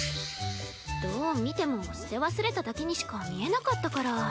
どう見ても捨て忘れただけにしか見えなかったから。